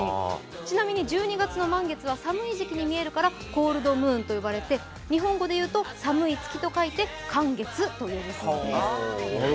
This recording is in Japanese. ちなみに１２月の満月は寒い時期に見えるからコールドムーンと呼ばれて日本語で言うと寒い月と書いて寒月と呼ぶそうです。